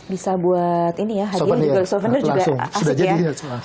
bisa buat ini ya hadiah souvenir juga asik ya